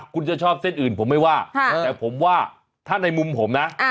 คุณจะชอบเส้นอื่นผมไม่ว่าแต่ผมว่าถ้าในมุมผมนะ